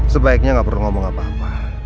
sebaiknya nggak perlu ngomong apa apa